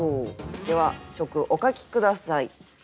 では初句お書き下さい。